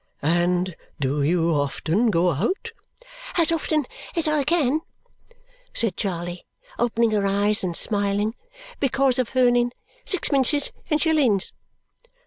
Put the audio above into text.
"And do you often go out?" "As often as I can," said Charley, opening her eyes and smiling, "because of earning sixpences and shillings!"